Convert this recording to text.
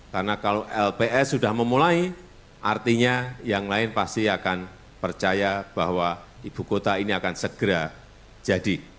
karena kalau lps sudah memulai artinya yang lain pasti akan percaya bahwa ibu kota ini akan segera jadi